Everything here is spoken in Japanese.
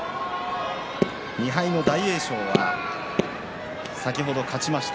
２敗の大栄翔が先ほど勝ちました。